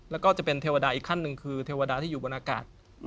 ซึ่งคือเทวดาที่อยู่บนอากาศ